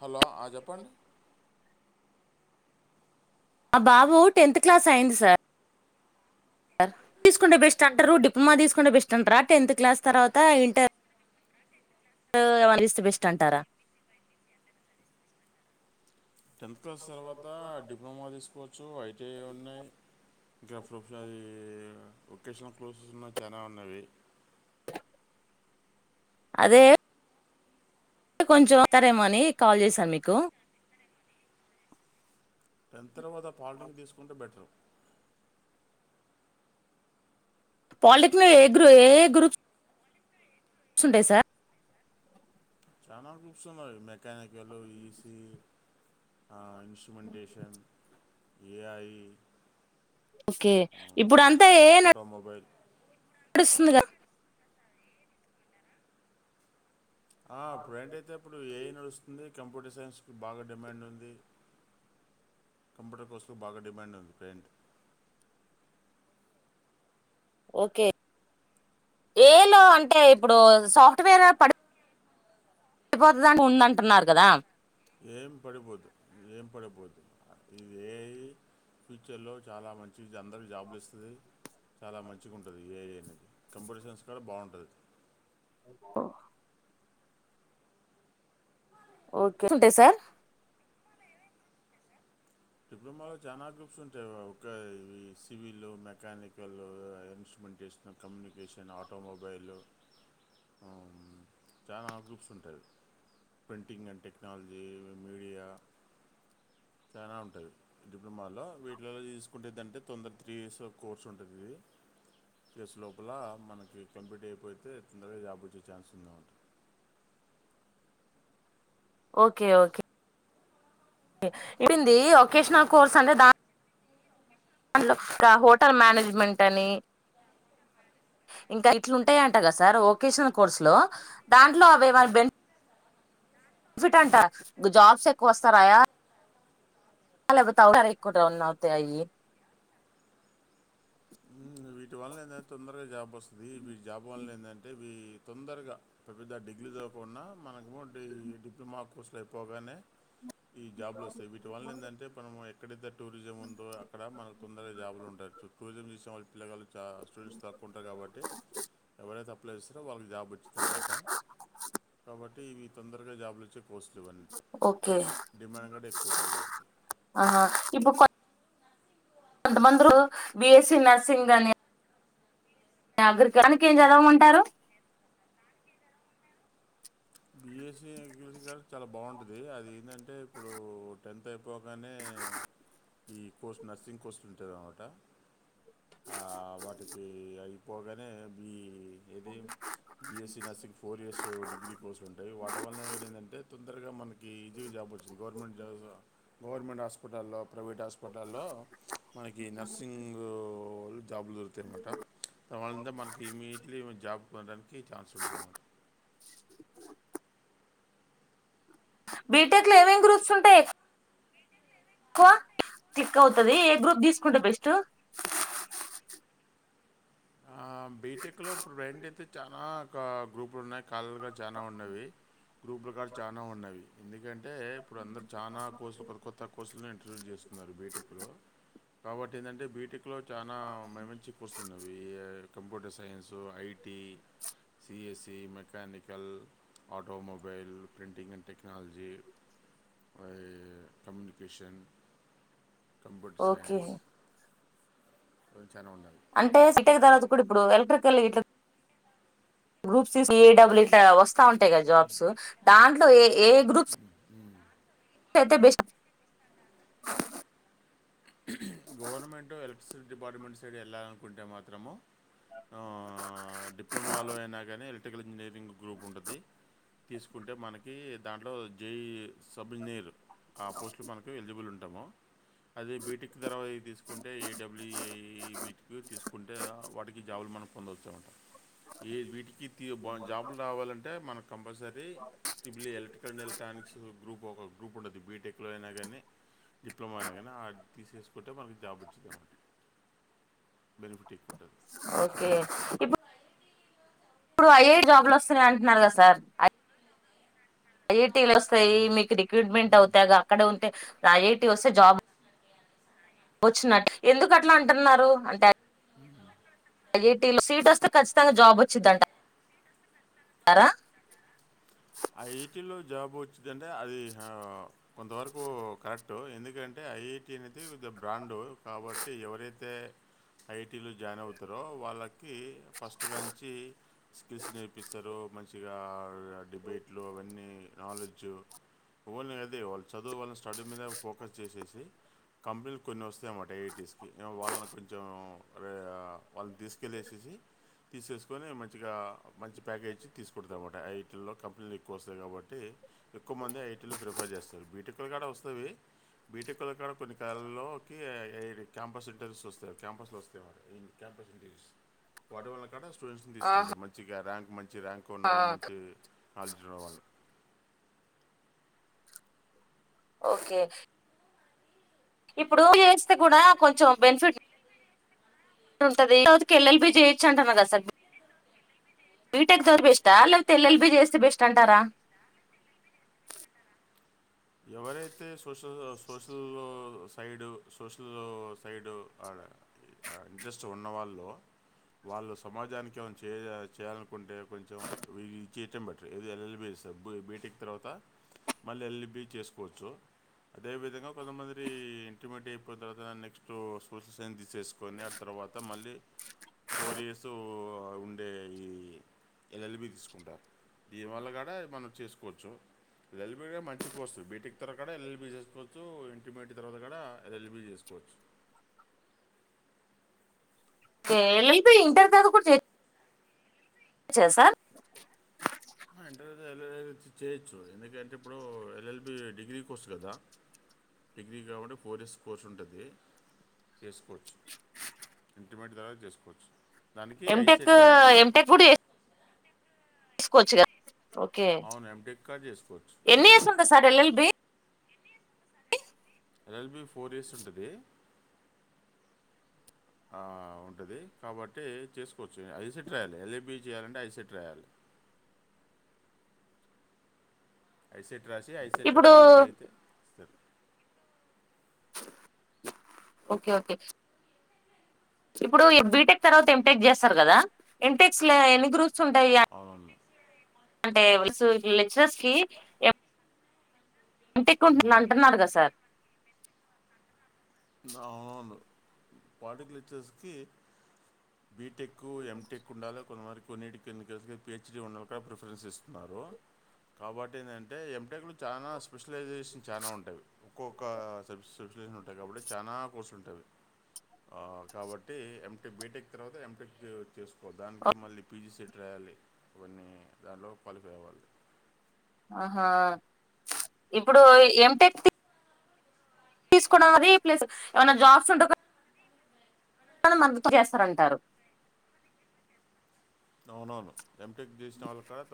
Hello ఆ చెప్పండి. మా బాబు టెన్త్ క్లాస్ అయింది సార్ సార్ తీసుకుంటే బెస్ట్ అంటారు డిప్లొమా తీసుకుంటే బెస్ట్ అంటారా టెన్త్ క్లాస్ తర్వాత ఇంటర్ ఏమన్నా చేస్తే బెస్ట్ అంటారా. టెన్త్ క్లాస్ తర్వాత డిప్లొమా తీసుకోవచ్చు ఐ ఇంక ఏమ్ ఉన్నాయి [unintelligible] అది వొకేషనల్ కోర్సెస్ ఉన్నా చాలా ఉన్నవి. అదే కొంచం వస్తారేమోని కాల్ చేసాను మీకు టెన్త్ తర్వాత పాలిటెక్నిక్ తీసుకుంటే బెటరు పాలిటెక్నిలో ఎ గ్రూ ఏ ఏ గ్రూప్ గ్రూప్స్ ఉంటై సార్ చానా గ్రూప్స్ ఉన్నాయి మెకానికల్ ఈసీ ఆ ఇన్స్ట్రుమెంటేషన్ ఏఐ ఓకే ఇప్పుడు అంతా ఏఐ న. ఆటోమొబైల్ డుస్తుంది గాద. ఆ అప్పుడు ఏంటైతే అప్పుడు ఏఐ నడుస్తుంది‌. కంప్యూటర్ సైన్స్ కి బాగా డిమాండ్ ఉంది. కంప్యూటర్ కోర్స్ బాగా డిమాండ్ ఉంది. ఓకే ఏఐలో అంటే ఇప్పుడు సాఫ్ట్వేర్ పడి. పడిపోతదాని ఉందంటున్నారు కదా. ఏం పడిపోదు ఏం పడిపోదు ఇది ఏఐ. ఫ్యూచర్లో చాలా మంచి అందరికీ జాబులు ఇస్తాది. చాలా మంచిగుంటది ఇ ఏఐ అనేది కంప్యూటర్ సైన్స్ కంటే బాగుంటది. ఓకే ఉంటాయ్ సార్. డిప్లొమాలో చాలా గ్రూప్స్ ఉంటాయి ఒక ఇవి civil mechanical instrumentation communication automobile. హ్మ్ చాన గ్రూప్స్ ఉంటాయి. ప్రింటింగ్ అండ్ టెక్నాలజీ మీడియా చానా ఉంట. టయి డిప్లొమాలో వీటిలలో తీసుకుంటే ఎదంటే. తొందర త్రీ ఇయర్స్ కోర్స్ ఉంటది. ఇది త్రీ ఇయర్స్ లోపల మనకి కంప్లీట్ అయిపోయిది. తే తొందరగా జాబుచ్చే ఛాన్స్ ఉందనమాట. Okay okay. ఇదేంది ఓకేషనల్ కోర్స్ అంటే దా. లో హోటల్ మేనేజ్మెంట్ అని. ఇంకా ఇట్లుంటాయట కదా సార్ వొకేషనల్ కోర్సులో దాంట్లో అవి ఏవైనా బెన్. ఫిట్ అంట. జాబ్స్ ఎక్కువ వస్తారాయా. [unintelligible] ఉమ్, వీటి వల్లన ఏందంటే తొందరగా జాబ్ వస్తాది వి జాబ్ వల్ల ఏంటంటే ఇ తొందరగా పెద్ద పెద్ద డిగ్రీ చ. దవకుండా మనకు ఈ డిప్లొమా కోర్సులు అయిపోగానే. ఈ జాబ్లు వస్తాయి వీటి వల్ల ఏంటంటే మనము ఎక్కడ అయితే. టూరిజం ఉందో అక్కడ మనకు తొందర జాబులు ఉంటాయి టూరిజం చేసిన వాళ్ళ పిల్ల‌. చా స్టూడెంట్స్ తక్కువ ఉంటారు కాబట్టి ఎవరైతే అప్లై చేస్తారో వాళ్ళు. జాబ్ వచ్చుది అనమాట కాబట్టి ఇ తొందరగా జాబ్‌లు వచ్చే. కోర్సులు ఇవన్నీ ఓకే డిమాండ్ కూడా ఎక్కువ ఉంటుంది వీటికి ఆహా ఇప్పు కొ. కొంతమందిరు బిఎస్సీ నర్సింగ్ అని. అగ్రి కల్ దానికి ఏం చదవమంటారు. బిఎస్సీ అగ్రికల్చర్ చాలా బాగుంటది. అది ఏందంటే ఇప్పుడు టెన్త్ అయిపోగానే. [unintelligible] ఈ కోర్సు నర్సింగ్ కోర్సులు ఉంటాది అన్నమాట. ఆ వాటికి అయిపోగానే బి. ఏది BSc nursing four years degree. ఉంటాయి వాటి వల్ల ఏందంటే తొందరగా మనకి ఈజీగా జాబ్ వచ్చింది గవర్నమెంట్ జాబ్స్. గవర్నమెంట్ హాస్పిటల్లో ప్రైవేట్ హాస్పిటల్లో మనకి నర్సింగు. జాబ్లు దొరుకుతాయన్నమాట తరువాత మనకి మీట్లీ జాబ్ కొట్టడని. కి చాన్స్ ఉంటదన్నమాట. బీటెక్ లో ఏమేమి గ్రూప్స్ ఉంటాయి‌. ఎక్కువ క్లిక్ అవుతాది ఏ గ్రూప్ తీసుకుంటే బెస్ట్. ఆ బీటెక్ లో ఇప్పుడు ప్రజెంట్ అయితే చానా క గ్రూపులు ఉన్నాయ్. కళలుగా చాలా ఉన్నవి గ్రూపుల కా చానా ఉన్నవి ఎందుకం. అంటే ఇప్పుడు అందరు చాలా కోర్సులు కొత్త కోర్సులను ఇంటర్వ్యూ చేస్తున్నారు బీటెక్ లో. కాబట్టి ఏంటంటే బీటిక్ లో చాలా మ మంచి కూర్సలున్నారు. AI computer science IT. BSc mechanical automobile printing and technology communication computer okay science కొ చాలా ఉంటంది అంటే సిట్టకి తర్వాత కూడా ఇప్పుడు ఎలక్ట్రికల్ ఇట్ గ్రూప్స్డబ్ల్యూ వస్తా ఉంటాయి కదా జాబ్స్ దాంట్లో ఏ ఏ గ్రుప్ చెతే బెసి గవర్నమెంంటట్ ఎలక్ట్రిసిటీ డిపార్ట్మెంట్ సైడ్ వెళ్ళాలనుకుంటే మాత్రము డిప్లొమాలో అయినా కానీ ఎలక్ట్రికల్ ఇంజనీరింగ్ గ్రూప్ ఉంటుంది తీసుకుంటే మనకి దాంట్లో జే సబ్ ఇంజనీర్ ఆ పోస్ట్లు మనకు ఎలిజిబుల్ ఉంటాము అదే బీటెక్ తర్వాత తీసుకుంటే ఏడబ్ల్యూఏ బీటెక్ తీసుకుంటే వాటికి జాబలు మనకు పొందవచ్చామంటం ఈ వీటికి తీ జాబులు రావాలంటే మనకు కంపల్సరీ టిబ్లీ ఎలక్ట్రికల్ండ్ ఎలక్ట్రానిక్స్ గ్రూప్ ఒక రూపు ఉంటుంది బీటెక్లో అయినా కానీ డిప్లొమా అయినా కానీ తీసుకుంటే మన జాబ్ వచ్చిందిట బెనిఫిట్ ఎక్కువంట ఓకే ఇప్పుడు ఐఏ జాబులు వస్తన్నాయి అంటున్నారు కదా సార్ ఐఐటీలు వస్తాయి మీకు రిక్రూట్మెంట్ అవుతాగా అక్కడ ఉంటే ఐటీ వస్తే జాబ్ వచ్చినట్టు ఎందుకు అట్లా అంటున్నారు అంటే సట్ వస్తే చ్చితంగా జాబ్ వచ్చింటారా ఐఐటీలో జాబ్ వచ్చిందంటే అది కొంతవరకు కరెక్ట్ అట్టు ఎందుకంటే ఐఐటి అనేది కొ బ్రాండు కాబట్టి ఎవరైతే ఐటీలో జాయిన్ అవుతారో వాళ్ళకి ఫస్ట్గాంచి స్కిల్స్ నేర్పిస్తారు మంచిగా డిబేట్లు అవన్నీ నాలెడ్జ్ వాళని అదే వాళ్ళు చ స్టడీ మీద ఫోకస్ చేసేసి కంపెనీలు కొన్ని వస్తాయ అన్నమాట ఎయిటీస్కి వాళ్ళని కొంచెం రే వాళ్ళని తీసుకెళ్ళసేసి తీసేసుకొని మంచిగా మంచి ప్యాకేజ్ తీసుకుడతుా అన్నమాట ఆ ఇటిలలో కంపెనీలు ఎక్కువ వస్తాయి కాబట్టి ఎక్కువ మంది ఐటీలు ప్రిఫర్ చేస్తారు బీటెక్లు కాడ వస్తుంది బీటెక్లు కాడ కొన్ని కాలల్లోకి క్యాంపస్ ఇంటర్స్ వస్తా క్యాంపస్లో వస్తేవారు క్యాంపస్ ఇంటర్ీస్ వాటి వల్ల కూడా స్టూడెంట్స్ తీసుకుంటారు ఆహా మంచిగా ర్యాంక్ మంచి ర్యాంక్ ఉన్న వల్ల మంచి ఉన్న వాళ్ళు ఓకే ఇప్పుడు చేస్తే కూడా కొంచెం బెనిఫిట్ ఉంటదితకి ఎల్లల్ బి చేయయిొచ్చు అంటున్నారు కదా సార్ బీటెక్ దోర బెస్టా లేపో తెల్ల్బి చేస్తే బెస్ట్ అంటారా ఎవరైతే social social side social side interest ఉన్నవాళ్ళు వాళ్ళు సమాజానికి ఏమై చే చేయాలనుకుంటే కొంచెంది చేయటం బెటర్ ఏ ఎల్ఎల్బి స బ బీటికి తర్వాత మళ్ళ అల్ బీచ్ చేసుకోవచ్చు అదేవిధంగా కొంతమందిరి ఇంటర్మీడియట్ అయిపోయిన తర్వాత నెక్స్ట్ స్కూల్స్ ఫన్ తీసేసుకొని ఆ తర్వాత మళ్ళీ ఫోర్ ఇయర్స్ ఉండే ఈ ఎల్ఎల్బీ తీసుకుంటారు దీనివల్ల కూడా మనం చేసుకోవచ్చు ఎల్ ఎల్బీ సువంది బీటెక్ తర్వా కూడా ఎల్ఎల్బీ చేసుకోవచ్చు ఇంటర్మీడియట్ తర్వాత కూడా ఎల్ఎల్బీ చేసుకోవచ్చు అ ఎ ఇంటర్ ద కూ చే సార్ ఇంటర్వ్యూ ఎల్ఎల్ చేయొచ్చు ఎందుకంటే ఇప్పుడు ఎల్ఎల్బి డిగ్రీ కోర్స్ కదా డిగ్రీ కాబట్టి ఫోర్ ఇయర్స్ కోర్స్ ఉంటుంది చేేసుకోవచ్చు ఇంటిమేట్ ద్వార చేసుకోవచ్చు దానికి ఎమ్ టెక్ ఐసెట్ రాయాలి ఎమ్ టెక్ కూడ తీసుకోవచ్చు కదా ఓకే అవును ఎంటెక్ కూడా చేసుకోవచ్చు ఎన్ని ఇంటర్మీ ఇస్ ఉంటా sir LLB LLB four years ఉంటది ఉంటుంది కాబట్టి చేసుకోవచ్చు ఐసెట్ రాయాలి ఎల్ఏబి చేయాలంటే ఐసెట్ రాయాలి ఐసెట్ రాసి ఐసెట్ లో ఇప్పుడు కాలిఫై అయితే సార్ ఓకే ఓకే ఇప్పుడు బీటెక్ తర్వాత ఎంటెక్ చేస్తారు కదా ఎంటెక్స్ ఎన్నిగురూ ఉంటాయి అవునవును. అంటే లెక్చరర్స్ క ఇంటి ఎకుంటు హ్మ్. అంటున్నాడు కదా సార్ అవునను పాటి కలక్చర్స్కి బీటెక్ ఎంటెక్ ఉండాలో కొన్ని వర కొన్నిటికి ఎన్నికలకి పిహెచ్డడి ఉండలుగా ప్రిఫరెన్స్ ఇస్తున్నారు కాబట్టి ఏంటంటే ఎంటెకులు చాలా స్పెష సోషలైజేషన్ చాలా ఉంటాయి ఒక్కొక్క సోషలైషన్ ఉంటాయి కాబట్టి చాలా కోర్సులు అయితే ఎమ్ బీటెక్ తర్వాత ఎమ్టెక్ చేసుకో దానికి మళ్ళీ పీజీసీ ట్రాయాలి ఇవన్నీ దాంట్లో క్వాలిఫై అవ్వాలి ఆహా ఇప్పుడు ఎంటెక్ తీసుకోడా అది ప్లేస్ ఏమైనా జాబ్స్ ఉంటా తన మద్దతు చేస్తారంటారు అవునవును ఎంటీకి తీసిన వాళ్ళ కూడాడ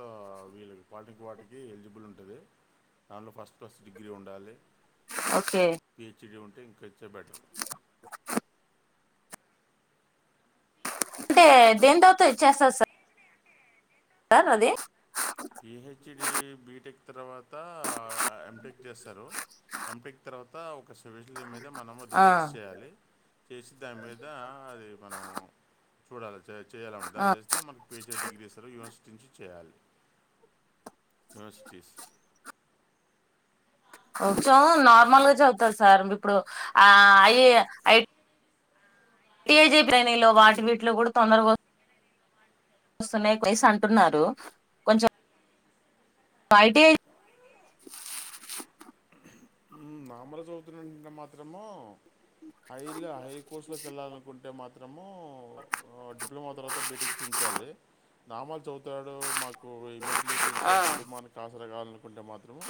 వీళ్ళకి క్వాలిక్ వాటికి ఎలిజిబుల్ ఉంటుంది దానిలో ఫస్ట్ క్లస్ట్ డిగ్రీ ఉండాలి ఓకే పిహెచ్డి ఉంటే ఇంక ఇచ్చే బెటర్ అంటే దేని తర్త ఇచ్చేస్తా సార్ సార్ అధి పిహెచ్డి బీటెక్ తర్వాత ఎంటక్ చేస్తారు ఎంటక తర్వాత ఒక స్ఫషలీ మీద మనము ఆ రీసెర్చ్ చేయాలి చేసి దాని మీద అది మనం చూడాలి చేయాల ఉంటే ఆ దాని చేస్తే మకు పహెచ్ డిగ్రీ ఇస్తారు యూనివర్సిటీ నుంచి చేయాలి [unintelligible] తీస్ కొంచెం నార్మల్గా చదువుతారు సార్ ఇప్పుడు ఆ అఐ ఐ ఐజీ [unintelligible] ప్రలేనింగ్ లో వాటి వీటిలో కూడా తొందరగాస్తు స్తనే వయసు అంటున్నారు కొంచెం పఐటిఐ నామర చదువుతున్నంటే మాత్రము హైలో హాయ్ కోర్సులోకి వెళ్ళాలనుకుంటే మాత్రము డిప్లొమా తర్వాత బీటిక చెయ్యాలి నామాలు చదువుతాడు మాకు ఇమీడియట్లీ కొంచెం కుటుంబానికి ఆసరగా కుంటే మాత్రము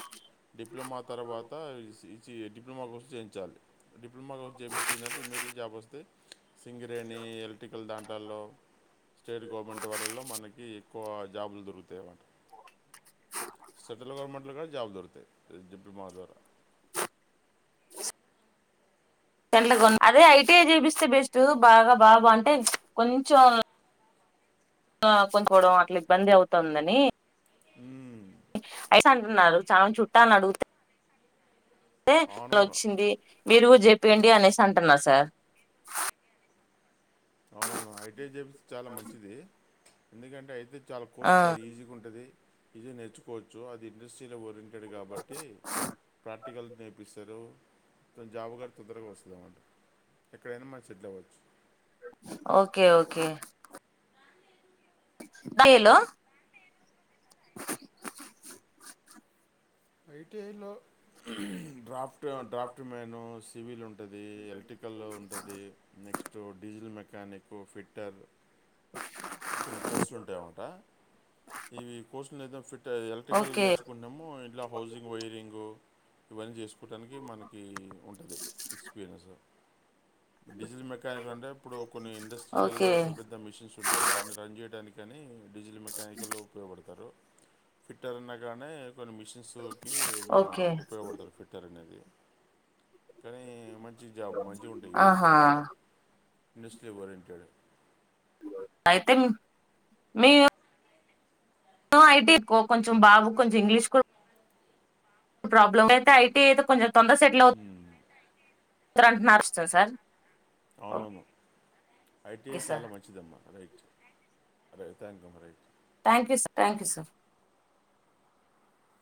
డిప్లొమా తర్వాత డిప్లొమా కోస చేయించాలి డిప్లొమా కోర్స్ చేపిస్తు ఏంటే ఇమీడియట్ జాబ్ వస్తే సింగరేణి ఎలక్ట్రికల్ దాంటల్లో స్టేట్ గవర్నమెంట్ వలలో మనకి ఎక్కువ జాబులు దొరుకుతాయిన్నమాట సెటల్ గవర్నమెంట్లు కూడా జాబ్ దొరుకుతాయిజప్ప మా ద్వారా అదే ఐటీఐ చూపిస్తే బెస్ట్ బాగా బా బాగుంటాయి కొంచెం కొంచవడం అట్లా ఇబ్బంది అవుతుందని ఉ అయిస్ అంటున్నారు చాలా చుట్టాలని అడిగితే అ అలా అవునవును వచ్చింది మీరు చెప్పేయండి అనేసి అంటున్నా సార్ ఐటీ చెపి చాలా మంచిది ఎందుకంటే అయితే చాలా ఆ కోర్సు చాలా ఈజీగా ఉంటుంది ఇది నేర్చుకోవచ్చు అది ఇండస్ట్రీలో ఓరియంటెడ్ కాబట్టి ప్ర ఆర్టికల్ నేర్పిస్తారు జాబు గారు తొందరగా వస్తుందన్నమాట ఎక్కడైనా మ చెడ్లు అవ్వచ్చు ఓకే ఓకే హ హలో ఐటిఐలో డ్రాఫ్ట్ డ్రాఫ్ట్ మేన్ సివిల్ ఉంటుంది ఉంటది ఎలక్ట్రికల్ ఉంటది నెక్స్ట్ డీజిల్ మెకానిక్ ఫిర్ కొన్ని కోర్సులుంటాయ మా ద ఫిట్ ఎలక్ట్రికల్ ఓకే నేర్చుకున్నాము ఇట్లా వైరింగు ఇవన్నీ చేసుకోవటానికి మనకి ఉంటుంది ఎక్స్పీరియన్స్ డజిల్ మెకానిక్ అంటే ఇప్పుడు కొన్ని ఇండస్ట్రీలలో ఓకే పెద్ద పెద్ద మిషన్స్ ఉంటాయి వాటిని రన్ చేయడానికి కానీ డీజిల్ మెకానికల్ ఉపయోగపడతారు ఫిట్టర్ అ కా కొ మిష వస్తువుకి మనం ఓకే ఉపయోగపడతం ఫిట్టర్ అనేది కానీ మంచి జాబ్ మంచిగా ఉంటాయి ఇవన్నీ ఆహా జాబ్లో ఇండస్టలీ ఓరియంటెడ్ అయితే మీ ఐటీ ఎక్కో కొంచెం బాగు కొంచెం ఇంగ్లీష్ కూడా ప్రాబ్లం ఐయితే కొంచం తొందర సెటిల్ అవుతు అంటున్నారు వ సార్ అవునవును ఐటీ ఓకే చాలా సార్ మంచిదమ్మా రైట్ అరే థ్యాంక్ మా right thank you sir thank you sir